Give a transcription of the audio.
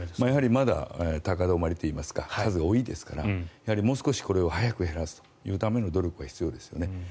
やはりまだ高止まりというか数が多いですからもう少しこれを早く減らすための努力も必要ですよね。